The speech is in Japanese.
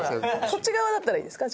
こっち側だったらいいですか？